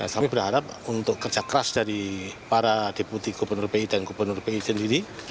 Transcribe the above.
saya berharap untuk kerja keras dari para deputi gubernur bi dan gubernur bi sendiri